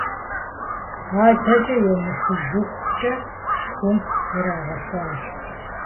АдэкӀэ емыхыжыхукӀэ шхум ирагъэфащ…